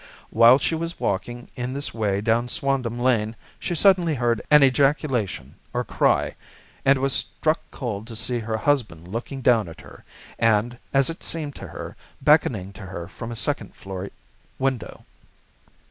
While she was walking in this way down Swandam Lane, she suddenly heard an ejaculation or cry, and was struck cold to see her husband looking down at her and, as it seemed to her, beckoning to her from a second floor window.